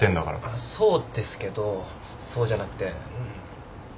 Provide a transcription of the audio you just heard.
そうですけどそうじゃなくて。